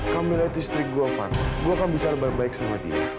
kamila itu istri gue van gue akan bicara baik baik sama dia